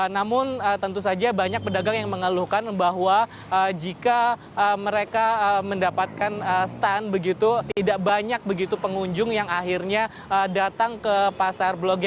namun tentu saja banyak pedagang yang mengeluhkan bahwa jika mereka mendapatkan stand begitu tidak banyak begitu pengunjung yang akhirnya datang ke pasar blok g